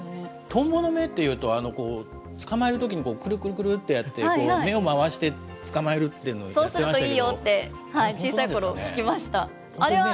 トンボの目っていうと、捕まえるときにくるくるくるってやって、目を回して捕まえるっていうのやってましたよね。